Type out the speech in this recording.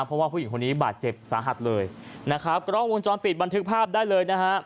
เพราะว่าผู้หญิงคนนี้บาดเจ็บสาหัสเลยนะครับกล้องวงจรปิดบันทึกภาพได้เลยนะฮะ